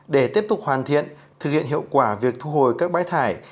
để tiếp tục hoàn thiện thực hiện hiệu quả việc thu hồi các bãi thải